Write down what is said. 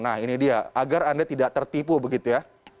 nah ini dia agar anda tidak tertipu begitu ya